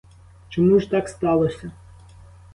Чому ж так сталося?